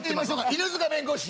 犬塚弁護士